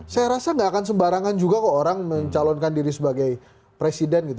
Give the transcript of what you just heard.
saya rasa gak akan sembarangan juga kok orang mencalonkan diri sebagai presiden gitu